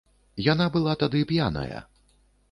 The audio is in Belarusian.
Яна была тады п'яная.